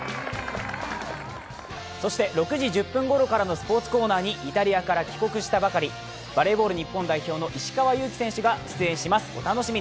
そして、６時２０分頃からのスポーツコーナーにイタリアから帰国したばかりバレーボール日本代表の石川祐希選手が出演します。